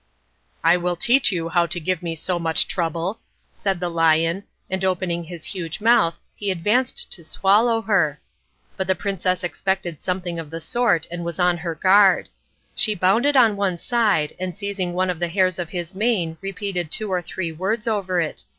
"I will teach you how to give me so much trouble," said the lion, and opening his huge mouth he advanced to swallow her. But the princess expected something of the sort and was on her guard. She bounded on one side, and seizing one of the hairs of his mane repeated two or three words over it.